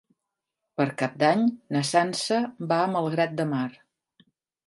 Per Cap d'Any na Sança va a Malgrat de Mar.